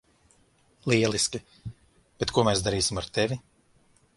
Lieliski, bet ko mēs darīsim ar tevi?